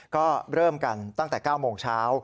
ก็เริ่มกันตั้งแต่๙โมงเช้า